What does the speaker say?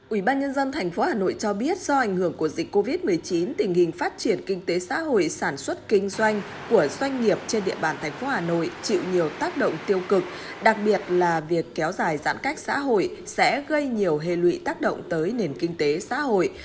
ủy ban nhân dân tp hà nội cho biết do ảnh hưởng của dịch covid một mươi chín tình hình phát triển kinh tế xã hội sản xuất kinh doanh của doanh nghiệp trên địa bàn thành phố hà nội chịu nhiều tác động tiêu cực đặc biệt là việc kéo dài giãn cách xã hội sẽ gây nhiều hệ lụy tác động tới nền kinh tế xã hội